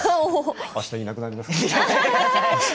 あした、いなくなります。